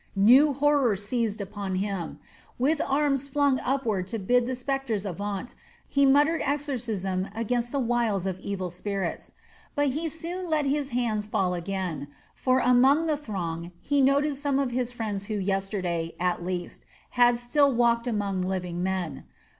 New horror seized upon him; with arms flung upward to bid the specters avaunt he muttered the exorcism against the wiles of evil spirits. But he soon let his hands fall again; for among the throng he noted some of his friends who yesterday, at least, had still walked among living men.